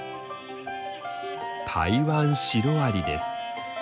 タイワンシロアリです。